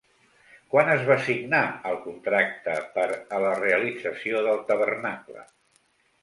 Quan es va signar el contracte per a la realització del tabernacle?